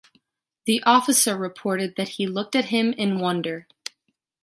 The officer reported that he looked at him in wonder.